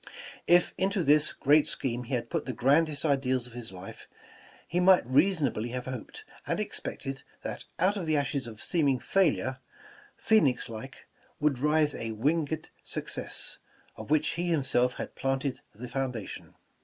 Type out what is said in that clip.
If into this great scheme he had put the grandest ideals of his life, he might rea sonably have hoped and expected that out of the ashes of seeming failure, phoenix like, would rise a winged suc cess, of which he himself had planted the foundation.